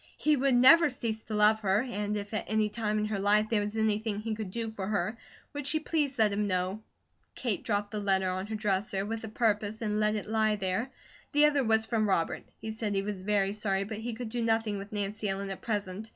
He would never cease to love her, and if at any time in her life there was anything he could do for her, would she please let him know. Kate dropped the letter on her dresser, with a purpose, and let it lie there. The other was from Robert. He said he was very sorry, but he could do nothing with Nancy Ellen at present.